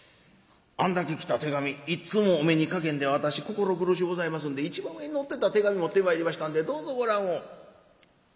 あんだけ来た手紙１通もお目にかけんでは私心苦しゅうございますんで一番上にのってた手紙持ってまいりましたんでどうぞご覧を」。